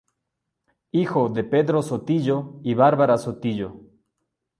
Hijo de Pedro Sotillo y Bárbara Sotillo.